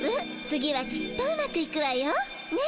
次はきっとうまくいくわよ。ね？